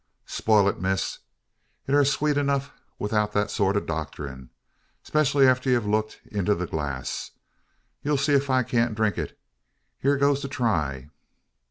"Speil it, miss. It air sweet enuf 'ithout that sort o' docterin'; 'specially arter you hev looked inter the glass. Yu'll see ef I can't drink it. Hyur goes to try!"